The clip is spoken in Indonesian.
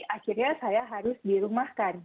akhirnya saya harus dirumahkan